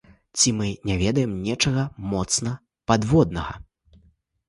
Ці мы не ведаем нечага моцна падводнага?